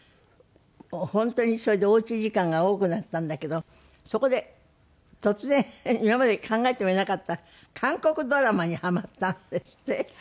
本当にそれでお家時間が多くなったんだけどそこで突然今まで考えてもいなかった韓国ドラマにハマったんですって？